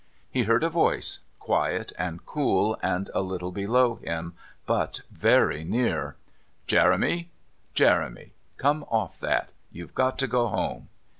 He heard a voice, quiet and cool, a little below him, but very near: "Jeremy... Jeremy. Come off that. You've got to go home."